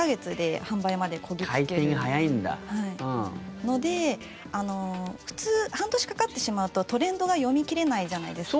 なので普通半年かかってしまうとトレンドが読み切れないじゃないですか。